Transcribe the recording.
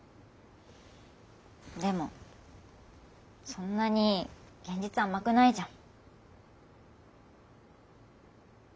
でもそんなに現実甘くないじゃん。